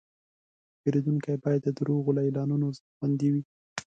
پیرودونکی باید د دروغو له اعلانونو خوندي وي.